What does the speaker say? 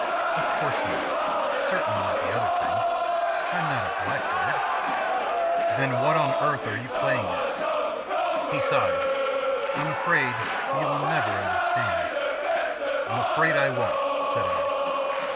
"Of course not. Certainly not the other thing. I'm not a blackguard." "Then what on earth are you playing at?" He sighed. "I'm afraid you will never understand." "I'm afraid I won't," said I.